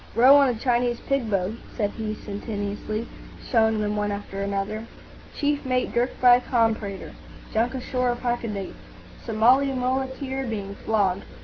"Row on a Chinese pig boat," said he, sententiously, showing them one after another.—"Chief mate dirked by a comprador.—Junk ashore off Hakodate.—Somali muleteer being flogged.